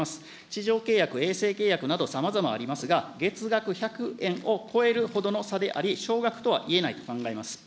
地上契約、衛星契約、さまざまありますが、月額１００円を超えるほどの差であり、少額とはいえないと考えます。